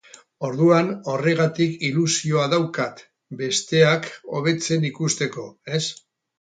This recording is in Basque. Orduan, horregatik ilusioa daukat, besteak hobetzen ikusteko, ez?